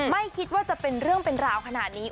ไม่คิดว่าจะเป็นเรื่องเป็นราวขนาดนี้